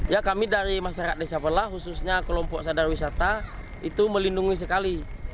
ya kami dari masyarakat desa pela khususnya kelompok sadar wisata itu melindungi sekali